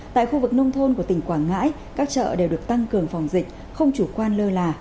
tại khu vực nông thôn của tỉnh quảng ngãi các chợ đều được tăng cường phòng dịch không chủ quan lơ là